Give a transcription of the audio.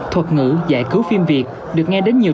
thuật ngữ giải cứu phim việt được nghe đến nhiều